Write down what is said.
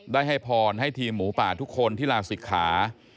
ได้ให้พรให้ทีมหมูป่าทุกคนที่ลาศิกขา